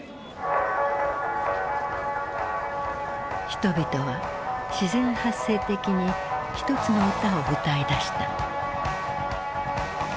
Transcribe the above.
人々は自然発生的に一つの歌を歌いだした。